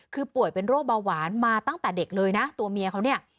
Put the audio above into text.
คือป่วยเป็นโรคเบาหวานมาตั้งแต่เด็กเลยนะตัวเมียเขาเนี่ย